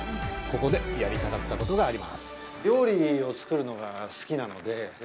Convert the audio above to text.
ここでやりたかったことがあります。